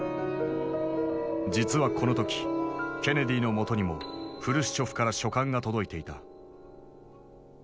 実はこの時ケネディの元にもフルシチョフから書簡が届いていた。